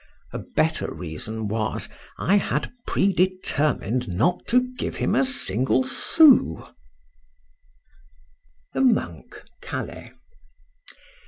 —A better reason was, I had predetermined not to give him a single sous. THE MONK. CALAIS.